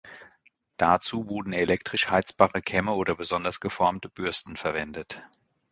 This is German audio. Dazu wurden elektrisch heizbare Kämme oder besonders geformte Bürsten verwendet.